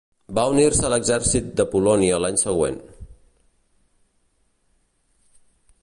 Va unir-se a exèrcit de Polònia l'any següent.